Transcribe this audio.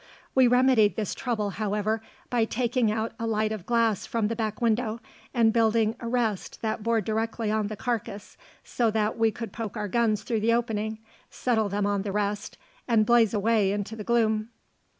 We remedied this trouble, however, by taking out a light of glass from the back window, and building a rest that bore directly on the carcass, so that we could poke our guns through the opening, settle them on the rest, and blaze away into the gloom.